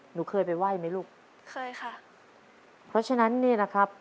หนูเคยไปไหว้ไหมลูกเคยค่ะเพราะฉะนั้นเนี่ยนะครับ